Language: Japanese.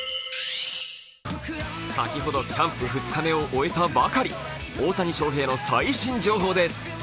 先ほどキャンプ２日目を終えたばかり、大谷翔平の最新情報です。